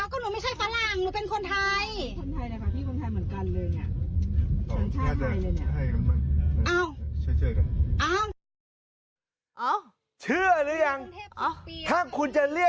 ก็หนูไม่ใช่ฝรั่งหนูเป็นคนไทยนะคะ